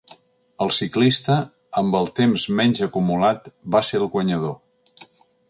El ciclista amb el temps menys acumulat va ser el guanyador.